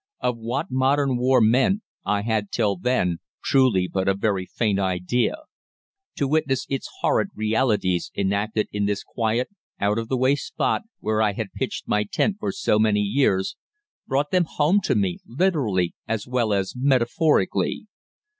Of what modern war meant I had till then truly but a very faint idea. To witness its horrid realities enacted in this quiet, out of the way spot where I had pitched my tent for so many years, brought them home to me literally as well as metaphorically.